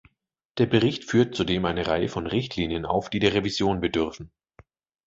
Der Bericht führt zudem eine Reihe von Richtlinien auf, die der Revision bedürfen.